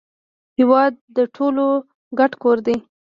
هیواد د ټولو ګډ کور دی